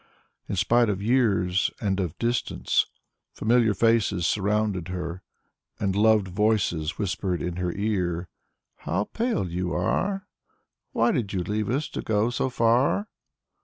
In spite of years and of distance, familiar faces surrounded her, and loved voices whispered in her ear, "How pale you are!" "Why did you leave us to go so far?"